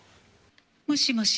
もしもし。